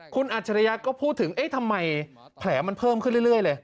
คุณอัจฉริยะก็พูดถึงเอ๊ะทำไมแผลมันเพิ่มขึ้นเรื่อยเลย